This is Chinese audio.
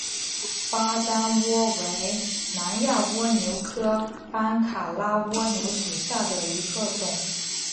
巴丹蜗为南亚蜗牛科班卡拉蜗牛属下的一个种。